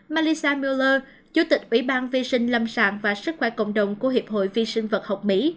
melissa muller chủ tịch ủy ban vi sinh lâm sản và sức khỏe cộng đồng của hiệp hội vi sinh vật học mỹ